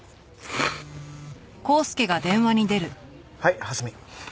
はい蓮見。